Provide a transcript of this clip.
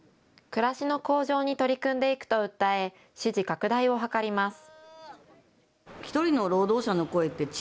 暮らしの向上に取り組んでいくと訴え、支持拡大を図ります。